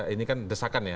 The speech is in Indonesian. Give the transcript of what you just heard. ini kan desakan ya